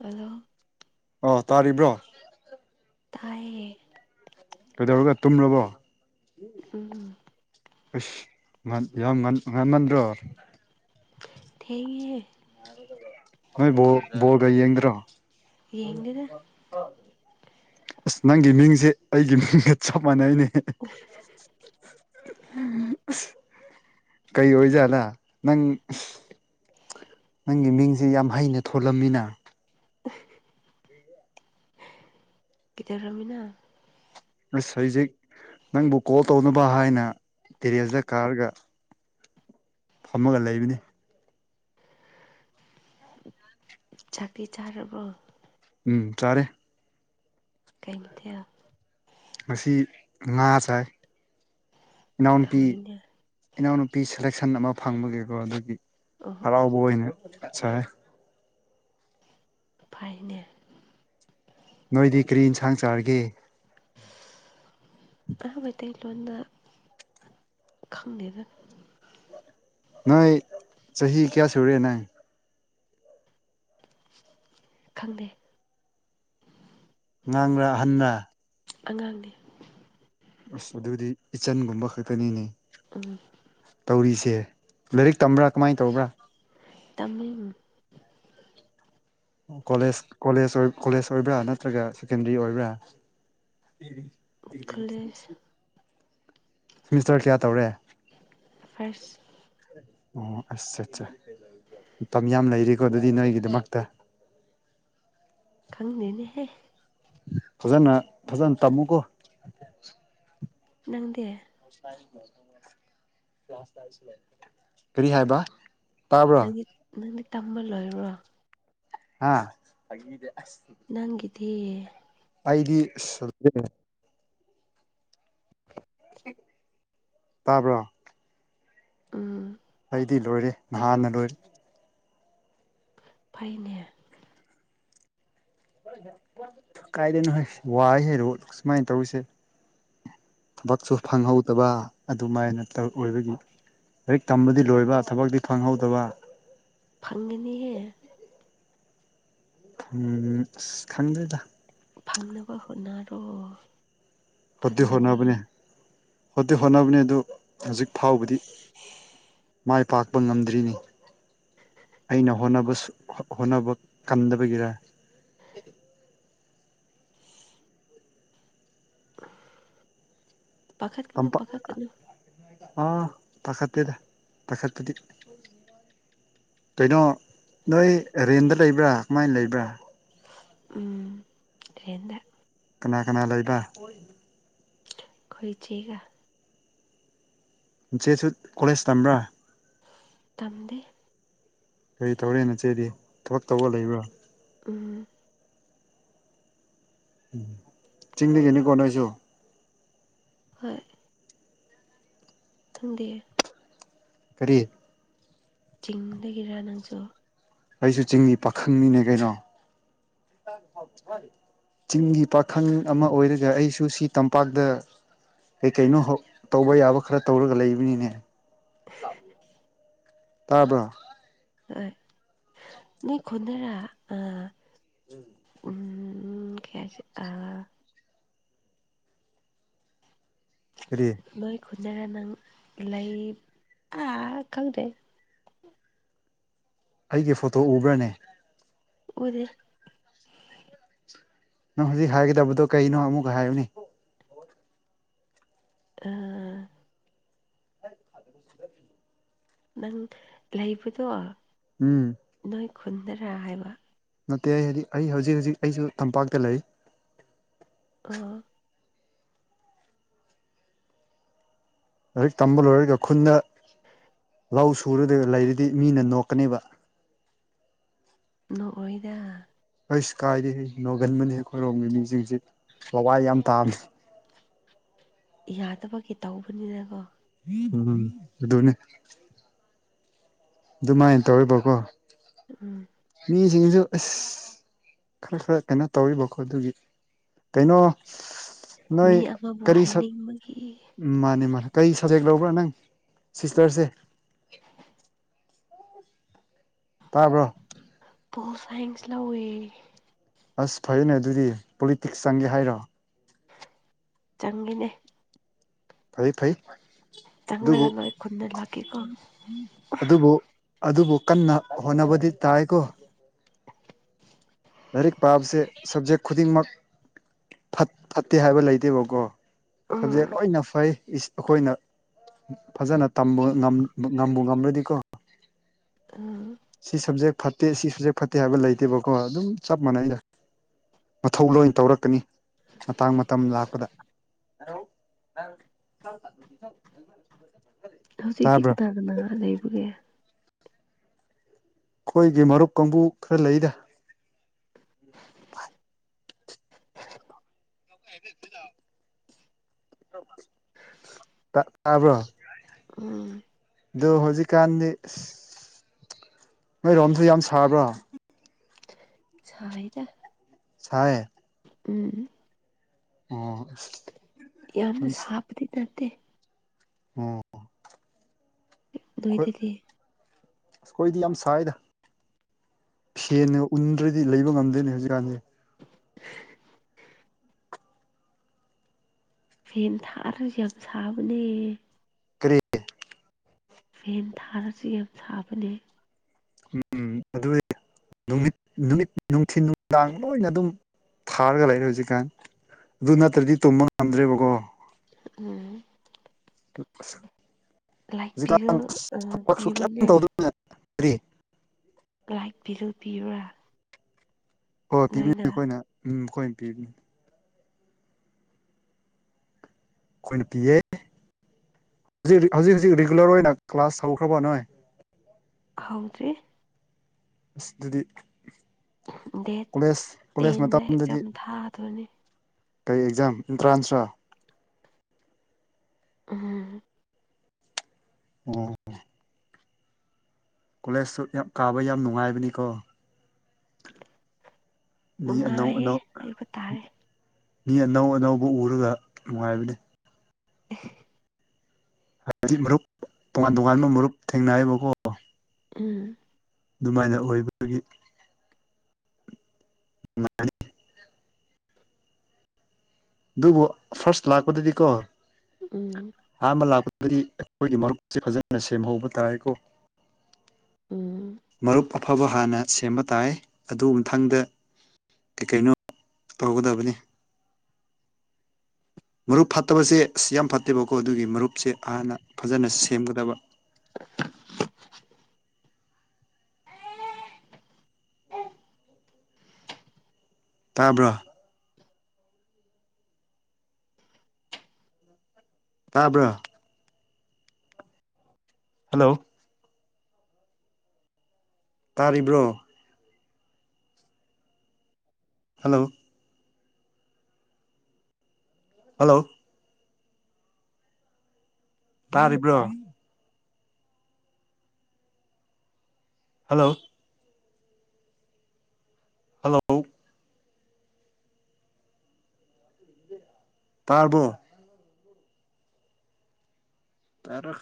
Hello ꯑ ꯇꯥꯔꯤꯕ꯭ꯔꯣ ꯇꯌꯦꯦ ꯀꯩꯗꯧꯔꯒ ꯇꯨꯝꯂꯔꯕꯣ ꯎꯝ ꯑꯁ ꯌꯥꯝ ꯃꯥꯟꯃꯟ꯭ꯔꯣ ꯊꯦꯡꯌꯦ ꯅꯣꯏꯣ ꯣꯒꯏꯌꯦ ꯏꯗ꯭ꯔꯣ ꯌꯦꯡꯒꯗ ꯑꯁ ꯅꯪꯒꯤ ꯃꯤꯡꯁꯦ ꯑꯩꯒꯤ ꯃꯤꯡꯒ ꯆꯞ ꯃꯥꯟꯅꯩ ꯑꯩꯅꯦ ꯑꯣ ꯑ ꯀꯩ ꯑꯣꯏꯖꯥꯠꯂ ꯅꯪ ꯅꯪꯒꯤ ꯃꯤꯡꯁ ꯌꯥꯝ ꯍꯩꯅ ꯊꯣꯜꯂꯝꯃꯤꯅ [inaudible] ꯀꯗꯧꯔꯝꯃꯤꯅꫭ ꯑꯁ ꯍꯧꯖꯤꯛ ꯅꯪꯕꯨ ꯀꯣꯜ ꯇꯧꯅꯕ ꯍꯥꯏꯅ ꯇꯦꯔꯦꯖꯗ ꯀꯥꯔꯒ ꯐꯝꯃꯒ ꯂꯩꯕꯅꯤ ꯆꯥꯛꯀꯤ ꯆꯥꯔꯔꯕ ꯎꯝ ꯆꯔꯦ ꯀꯝꯇꯌꯥ ꯃꯁꯤ ꯉꯥ ꯆꯥꯏ ꯏꯅꯥꯎꯅꯨꯄꯤ ꯍꯥꯎꯋꯤꯅꯦ ꯏꯅꯥꯎꯅꯨꯄꯤ ꯁꯦꯂꯦꯛꯁꯟ ꯑꯃ ꯐꯪꯕꯒꯤꯀꯣ ꯑꯗꯨꯒꯤ ꯑꯣ ꯑꯣ ꯍꯔꯥꯎꯕ ꯑꯣꯏꯅ ꯁꯥꯏ ꯐꯥꯏꯅꯦ ꯅꯣꯏꯗꯤ ꯀꯔꯤ ꯌꯦꯟꯁꯥꯡ ꯆꯥꯔꯒꯦ ꯂꯣꯏꯅ ꯈꯪꯉꯦꯗ ꯅ ꯆꯍꯤꯍꯤ ꯀꯌꯥ ꯁꯤꯨꯔꯦ ꯅ ꯈꯪꯗꯦ ꯉꯥꯡꯕꯥ ꯑꯍꯟꯅ ꯑꯉꯥꯡꯅꯤ ꯑꯁ ꯑꯗꯨꯗꯤ ꯏꯆꯟꯒꯨꯝꯕ ꯈꯛꯇꯅꯤꯅꯦ ꯎꯝ ꯄꯨꯔꯤꯁꯦ ꯂꯥꯏꯔꯤꯛ ꯇꯝꯕ꯭ꯔꯥ ꯀꯃꯥꯏꯅ ꯇꯧꯕ꯭ꯔꯥ ꯇꯃꯤꯜ ꯀꯣꯂꯦꯖ ꯀꯣꯂꯦꯖ ꯀꯣꯂꯦꯖ ꯑꯣꯏꯕ꯭ꯔꯥ ꯅꯠꯇ꯭ꯔꯒ ꯁꯦꯀꯦꯟꯗꯔꯤ ꯑꯣꯏꯕ꯭ꯔꯥ ꯈꯂꯦ ꯁꯤꯦꯃꯤꯁꯇꯔ ꯀꯌꯥ ꯇꯧꯔꯦ ꯐꯔꯁ ꯑꯣ ꯑꯁ ꯑꯠꯁ ꯃꯇꯝ ꯌꯥꯝ ꯂꯩꯔꯤꯀꯣ ꯑꯗꯨꯗꯤ ꯅꯣꯏꯒꯤꯗꯃꯛꯇ ꯈꯪꯅꯦꯅꯦꯍꯦ ꯐꯖꯅ ꯐꯖꯅ ꯇꯝꯃꯨꯀꯣ ꯅꯪꯗꯤ ꯀꯔꯤ ꯍꯥꯏꯕ ꯇꯥꯕ꯭ꯔꯣ ꯅꯪꯒꯤ ꯅꯪꯗꯤ ꯇꯝꯕ ꯂꯣꯏꯔꯣ ꯍꯥ ꯅꯪꯒꯗꯌꯦ ꯑꯩꯗꯤ ꯁꯦ ꯇꯥꯕ꯭ꯔ ꯎꯝ ꯗꯤ ꯂꯣꯏꯔꯦ ꯅꯍꯥꯟꯅ ꯂꯣꯏꯔ ꯐꯥꯏꯅꯦ ꯀꯥꯏꯗꯅꯣ ꯋꯥꯏ ꯍꯥꯏꯦꯔꯣ ꯁꯨꯃꯥꯏꯅ ꯇꯧꯁꯦ ꯊꯕꯛꯁꯨ ꯐꯪꯍꯧꯗꯕ ꯑꯗꯨꯃꯥꯏꯅ ꯑꯣꯏꯕꯒꯤ ꯂꯥꯏꯔꯤꯛ ꯇꯝꯕꯗꯤ ꯂꯣꯏꯕ ꯊꯕꯛꯇꯤ ꯐꯪꯍꯧꯗꯕ ꯐꯪꯒꯅꯤꯍꯦ ꯎꯝ ꯈꯪꯗꯦꯗ ꯐꯪꯅꯕ ꯍꯣꯅꯔꯣ ꯍꯇꯤ ꯍꯣꯠꯅꯕꯅꯦ ꯍꯇꯤ ꯍꯣꯠꯅꯕꯅꯦ ꯑꯗꯨ ꯍꯧꯖꯤꯛ ꯐꯥꯎꯕꯗꯤ ꯃꯥꯏ ꯄꯥꯛꯄ ꯉꯝꯗ꯭ꯔꯤꯅꯤ ꯑꯩꯅ ꯍꯣꯅꯕ ꯍꯣꯠꯅꯕ ꯀꯟꯗꯕꯒꯤꯔ ꯄꯥꯈꯠ ꯀꯅꯨ ꯇꯝꯄꯥꯛ ꯄꯥꯈꯠ ꯀꯅꯣ ꯑꯥ ꯄꯥꯀꯥ ꯇꯗ ꯄꯥꯀꯥꯇꯤ ꯀꯩꯅꯣ ꯅꯣꯏ ꯔꯦꯟꯗ ꯂꯩꯕ꯭ꯔꯥ ꯀꯃꯥꯏꯅ ꯂꯩꯕ꯭ꯔꯥ ꯎꯝꯗ ꯀꯅꯥ ꯀꯅꯥ ꯂꯩꯕ ꯈꯣꯏꯆꯦꯒ ꯆꯦꯁꯨ ꯀꯣꯂꯦꯖ ꯇꯝꯕ꯭ꯔꯥ ꯇꯝꯗ ꯀꯔꯤ ꯇꯧꯔꯦ ꯅꯆꯦꯗꯤ ꯊꯧ ꯇꯧ ꯂꯩꯕ꯭ꯔꯥ ꯎꯝ ꯊꯤꯡꯅ ꯀꯅꯤ ꯀꯣꯅꯁꯨꯣ ꯍꯣꯏ ꯊꯝꯗꯦꯦ ꯀꯔꯤ ꯆꯤꯡꯗꯒꯤꯔ ꯅꯪꯁꯨ ꯑꯩꯁꯨ ꯆꯤꯡꯅꯤ ꯄꯥꯈꯪꯅꯤꯅꯦ ꯀꯩꯅꯣ ꯆꯤꯡꯒꯤ ꯄꯥꯈꯪ ꯑꯃ ꯑꯣꯏꯔꯒ ꯑꯩꯁꯨ ꯁꯤ ꯇꯝꯄꯥꯛꯇ ꯀꯩ ꯀꯩꯅꯣ ꯇꯧꯕ ꯌꯥꯕ ꯈꯔ ꯇꯧꯔꯒ ꯂꯩꯕꯅꯤꯅꯦ ꯇꯥꯕ꯭ꯔ ꯍꯣꯏ ꯅꯣꯏ ꯈꯨꯣꯟꯅꯔꯥ ꯑꯥ ꯎꯝ꯫ ꯎꯝ ꯀ ꯑ ꯇꯔꯤ ꯈꯨꯅꯒ ꯅꯪ ꯂꯩ ꯑꯥ ꯈꯪꯗꯦ ꯑꯩꯒꯤ ꯐꯣꯇꯣ ꯎꯕ꯭ꯔꯅꯦ ꯎꯗꯦ꯫ ꯅꯪ ꯍꯧꯖꯤꯛ ꯍꯥꯏꯒꯗꯕꯗꯣ ꯀꯩꯅꯣ ꯑꯃꯨꯛꯀ ꯍꯥꯏꯌꯨꯅꯤ ꯑꯥ ꯅꯪ ꯂꯩꯕꯗꯣ ꯎꯝ ꯅꯣꯏ ꯈꯨꯟꯗꯔꯥ ꯍꯥꯏꯕ꯫ ꯅꯠꯇꯦ ꯑꯩ ꯍꯥꯏꯗꯤ ꯑꯩ ꯍꯧꯖꯤꯛ ꯍꯧꯖꯤꯛ ꯑꯩꯁꯨ ꯇꯝꯄꯥꯛꯇ ꯂꯩ ꯑꯥ ꯂꯥꯏꯔꯤꯛ ꯇꯝꯕ ꯂꯣꯏꯔꯒ ꯈꯨꯟꯗ [unintelligible] ꯂꯧ ꯁꯨꯔꯗꯒ ꯂꯩꯔꯤꯗꯤ ꯃꯤꯅ ꯅꯣꯛꯀꯅꯦꯕ ꯅꯑꯣꯏꯗ ꯑꯩꯁ ꯀꯥꯏꯗꯦ ꯍ ꯅꯣꯒꯟꯕꯅꯤꯍꯦꯛ ꯈꯣꯏꯔꯣꯝꯃꯤ ꯃꯤꯁꯤꯡꯁꯦ ꯋꯥꯏ ꯌꯥꯝ ꯇꯥꯝꯃꯤ ꯌꯥꯗꯕꯒꯤ ꯇꯧꯕꯅꯤꯅꯀꯣ ꯎꯝ ꯑꯗꯨꯅꯦ ꯑꯗꯨꯃꯥꯏꯅ ꯇꯧꯑꯦꯕꯀꯣ ꯎꯝ ꯁꯤꯁꯨ ꯈꯔ ꯈꯔ ꯀꯩꯅꯣ ꯇꯧꯔꯤꯕꯀꯣ ꯑꯗꯨꯒꯤ ꯀꯩꯅꯣ ꯃꯤ ꯅꯣꯏꯣꯏ ꯑꯃꯕꯨ ꯀꯔꯤ ꯁ ꯍꯥꯏꯅꯤꯡꯕꯒꯤ ꯃꯥꯅꯦ ꯃꯥꯅꯦ ꯀꯔꯤ ꯁꯕꯖꯦꯛ ꯂꯧꯕ꯭ꯔꯥ ꯅꯪ ꯁꯤꯁꯇꯔꯁꯦ ꯇꯥꯕ꯭ꯔꯣ ꯣ ꯐꯦꯡꯁ ꯂꯋꯦ ꯑꯁ ꯐꯩꯅꯦ ꯑꯗꯨꯗꯤ ꯄꯣꯂꯤꯇꯤꯛꯁ ꯆꯪꯒꯦ ꯍꯥꯏꯔꯣ ꯆꯪꯒꯤꯅꯦ ꯐꯩ ꯐꯩ ꯑꯗꯨꯕꯨ ꯆꯪꯒꯅꯣꯏ ꯈꯨꯨꯟꯗ ꯂꯥꯛꯀꯦꯀꯣ ꯑꯗꯨꯕꯨ ꯑꯗꯨꯕꯨ ꯀꯟꯅ ꯍꯣꯠꯅꯕꯗꯤ ꯇꯥꯏꯀꯣ ꯂꯥꯏꯔꯤꯛ ꯄꯥꯕꯁꯦ ꯁꯕꯖꯦꯛ ꯈꯨꯗꯤꯡꯃꯛ ꯐꯠꯇꯦ ꯍꯥꯏꯕ ꯂꯩꯇꯦꯕꯀꯣ ꯎꯝ ꯁꯕꯖꯦꯛ ꯂꯣꯏꯅ ꯐꯩ ꯑꯩꯈꯣꯏꯅ ꯐꯖꯅ ꯇꯝꯕ ꯉꯝꯕ ꯉꯝꯂꯗꯤꯀꯣ ꯎꯝ ꯁꯤ ꯁꯞꯖꯦꯛ ꯐꯠꯇꯦ ꯁꯤ ꯁꯞꯖꯦꯛ ꯐꯠꯇꯦ ꯍꯥꯏꯕ ꯂꯩꯇꯦꯕꯀꯣ ꯑꯗꯨꯝ ꯆꯞ ꯃꯥꯟꯅꯩꯗ ꯃꯊꯧ ꯂꯣꯏ ꯇꯧꯔꯛꯀꯅꯤ ꯃꯇꯥꯡ ꯃꯇꯝ ꯂꯥꯛꯄꯗ ꯍꯂꯣ ꯊ ꯍꯧꯖꯤꯛꯇꯤ ꯀꯗꯥꯗꯅꯥ ꯂꯩꯕꯒꯦ ꯑꯩꯈꯣꯏꯒꯤ ꯃꯔꯨꯞ ꯀꯥꯡꯕꯨ ꯈꯔ ꯂꯩꯗ ꯊꯗ ꯇ ꯇꯥꯕ꯭ꯔꯣ ꯎꯝ ꯑꯗ ꯍꯧꯖꯤꯛꯀꯥꯟꯗꯤ ꯑ ꯃꯣꯏꯔꯣꯝꯁꯨ ꯌꯥꯝ ꯁꯥꯕ꯭ꯔꯣ ꯁꯥꯏꯗ ꯁꯥꯏ ꯎꯝ ꯎꯝ ꯌꯥꯔꯅ ꯁꯥꯞꯗꯅꯠꯇꯦ ꯎꯝ ꯑꯗꯨꯏꯗꯗꯤ ꯑꯈꯣꯏꯗꯤ ꯌꯥꯝ ꯁꯥꯏꯗ ꯁꯦꯟꯅ ꯎꯟꯗ꯭ꯔꯗꯤ ꯂꯩꯕ ꯉꯝꯗꯣꯏꯅꯦ ꯍꯧꯖꯤꯛꯀꯥꯟꯗꯤ ꯐꯦꯟ ꯊꯥꯔꯁꯨ ꯌꯥꯝ ꯁꯥꯕꯅꯦ ꯀꯔꯤ ꯐꯦꯟ ꯊꯥꯔꯁꯨ ꯌꯥꯝ ꯁꯥꯕꯅꯦ ꯎꯝ ꯑꯗꯨ ꯅꯨꯃꯤꯠ ꯅꯨꯃꯤꯠ ꯅꯨꯡꯊꯤꯟ ꯅꯨꯡꯗꯥꯡ ꯂꯣꯏꯅ ꯑꯗꯨꯝ ꯊꯥꯔꯒ ꯂꯩꯔꯦ ꯍꯧꯖꯤꯛꯀꯥꯟ ꯑꯗꯨ ꯅꯠꯇ꯭ꯔꯗꯤ ꯇꯨꯝꯕ ꯉꯝꯗ꯭ꯔꯦꯕꯀꯣ ꯎꯝ ꯂꯥꯏꯠ ꯕꯤꯜ ꯍꯧꯖꯤꯛꯀꯥꯟ ꯊꯕꯛꯁꯨ ꯀꯇ ꯄꯤꯕ꯭ꯔꯅꯦ ꯇꯧꯗꯕꯅꯦ ꯐꯔꯤ ꯃꯥꯏꯛ ꯤꯒꯜ ꯄꯤꯌꯨꯔꯥ ꯍꯣꯏ ꯄꯤꯕꯤꯅꯤ ꯑꯩꯈꯣꯏꯅ ꯎꯝ ꯑꯩꯈꯣꯏꯅ ꯄꯤꯅꯤ ꯑꯩꯈꯣꯏꯅ ꯄꯤꯌꯦ ꯍꯧꯖꯤꯛ ꯍꯧꯖꯤꯛ ꯍꯧꯖꯤꯛ ꯔꯤꯒꯨꯂꯔ ꯑꯣꯏꯅ ꯀ꯭ꯂꯥꯁ ꯇꯧꯈ꯭ꯔꯕ ꯅꯣꯏ ꯍꯥꯎꯗ꯭ꯔꯔꯤ ꯑꯗꯤ ꯗꯦꯠ ꯀꯣꯂꯦꯖ ꯀꯣꯂꯦꯖ ꯇꯦꯟꯗ ꯃꯇꯝꯗꯗꯤ ꯑꯦꯛꯖꯥꯝ ꯊꯥꯗꯣꯏꯅꯤ ꯀꯔꯤ ꯑꯦꯛꯖꯥꯝ ꯑꯦꯟꯇ꯭ꯔꯥꯟꯁ꯭ꯔ ꯎꯝ ꯎ ꯀꯣꯂꯦꯖꯁꯨ ꯌꯥꯝ ꯀꯥꯕ ꯌꯥꯝ ꯅꯨꯡꯉꯥꯏꯕꯅꯤꯀꯣ ꯅꯨꯡꯉꯥꯏꯌꯦ ꯃꯤꯑꯅꯧꯅꯧ ꯍꯥꯏꯕ ꯇꯥꯔꯦ ꯃꯤ ꯑꯅꯧ ꯑꯅꯧꯕ ꯎꯔꯒ ꯅꯨꯡꯉꯥꯏꯕꯅꯤ [inaudible] ꯍꯥꯏꯗꯤ ꯃꯔꯨꯞ ꯇꯣꯉꯥꯟ ꯇꯣꯉꯥꯟꯕ ꯃꯔꯨꯞ ꯊꯦꯡꯅꯌꯦꯕꯀꯣ ꯎꯝ ꯑꯗꯨꯃꯥꯏꯅ ꯑꯣꯏꯕꯒꯤ ꯅꯨꯡꯉꯥꯏꯅꯤ ꯑꯗꯨꯕꯨ ꯐꯥꯔꯁ ꯂꯥꯛꯄꯗꯨꯗꯤꯀꯣ ꯎꯝ ꯑꯥꯟꯕ ꯂꯥꯛꯄ ꯗꯤ ꯑꯩꯈꯣꯏꯒꯤ ꯃꯔꯨꯞꯁꯦ ꯐꯖꯅ ꯁꯦꯝꯍꯧꯕ ꯇꯥꯏꯀꯣ ꯎꯝ ꯃꯔꯨꯞ ꯑꯐꯕ ꯍꯥꯟꯅ ꯁꯦꯝꯕ ꯇꯥꯏ ꯑꯗꯨ ꯃꯊꯪꯗ ꯀꯩ ꯀꯩꯅꯣ ꯇꯧꯒꯗꯕꯅꯤ ꯃꯔꯨꯞ ꯐꯠꯇꯕꯁꯦ ꯑꯁ ꯌꯥꯝ ꯐꯠꯇꯦꯕꯀꯣ ꯑꯗꯨꯒꯤ ꯃꯔꯨꯞꯁꯦ ꯍꯥꯟꯅ ꯐꯖꯅ ꯁꯦꯝꯒꯗꯕ [inaudible] ꯇꯥꯕ꯭ꯔꯣ ꯇꯥꯕ꯭ꯔꯣ ꯍꯜꯂꯣ ꯇꯥꯔꯤꯕ꯭ꯔꯣ ꯍꯜꯂꯣ ꯍꯜꯂꯣ ꯇꯥꯔꯤꯕ꯭ꯔꯣ ꯍꯜꯂꯣ ꯍꯜꯂꯣ ꯇꯥꯕꯣ ꯇꯔꯣ